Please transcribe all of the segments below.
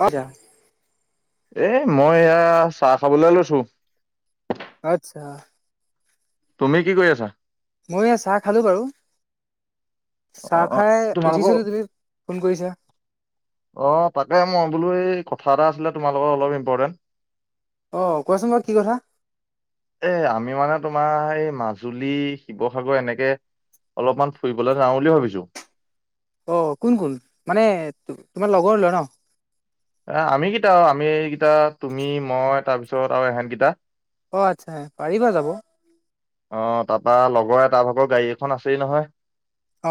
অঁ' দিয়া। এই, মই এয়া, চাহ খাবলৈ লৈছোঁ। আচ্ছা। তুমি কি কৰি আছা? ময়ো এয়া চাহ খালো বাৰু, অ চাহ খাই তোমালোকৰ উঠিছিলোঁ তুমি ফোন কৰিছা। অ, তাকে মই বোলো, এই কথা এটা আছিলে তোমাৰ লগত অলপ ইম্পৰ্টেণ্ট। অ, কোৱাচোন বাৰু কি কথা? এ, আমি মানে, তোমাৰ এই মাজুলী, শিৱসাগৰ, এনেকে অলপমান ফুৰিবলৈ যাওঁ বুলি ভাবিছো। অ, কোন, কোন? মানে তোমাৰ লগৰ ল'ৰা ন। এ, আমি কেইটা আৰু, আমি এইকেইটা তুমি, মই, তাৰপিছত আৰু এহেতকেইটা। অ, আচ্ছা পাৰিবা যাব। অ, তাৰপা, লগৰ এটা ভাগৰ গাড়ী এখন আছেই নহয়। অ,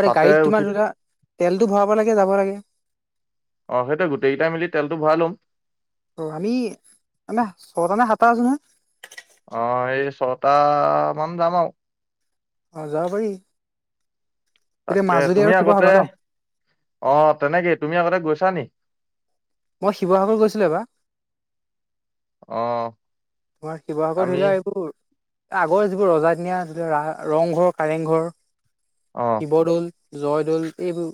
আৰু এই তাতে গাড়ীত উঠি তোমাৰ ধৰা লোৱা তেলটো ভৰাব লাগে, যাব লাগে। অ', সেইটো গোটেইকেইটা মিলি তেলটো ভৰাই ল'ম। অ, আমি, আমিৰ ছটা নে, সাতটা আছোঁ নহয়। অ, এই, ছয়টা মান যাম আৰু। অ, যাব পাৰি। এতিয়া তাকে, মাজুলী তুমি আৰু আগতে, শিৱসাগৰ ন অ, তেনেকে তুমি আগতে গৈছা নেকি? মই শিৱসাগৰ গৈছিলো এবাৰ। অ, মই শিৱসাগৰ আমি ধৰিলোৱা এইবোৰ আগৰ যিবোৰ ৰজাদিনীয়া আছিলে, ৰংঘৰ, কাৰেংঘৰ, অ শিৱদৌল। জয়দৌল, এইবোৰ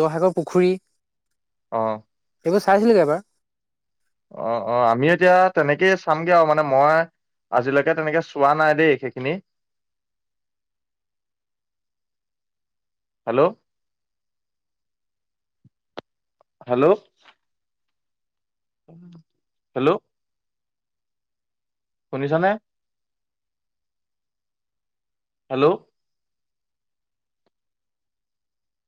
জয়সাগৰ পুখুৰী। অ, এইবোৰ চাইছিলোগে এবাৰ। অ, অ, আমি এতিয়া তেনেকেই চামগে আৰু মানে মই আজিলৈকে তেনেকে চোৱা নাই দেই, সেইখিনি। হেল্ল, হেল্ল, হেল্ল, শুনিছানে? হেল্ল,